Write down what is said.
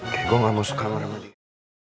gue gak mau suka merama dia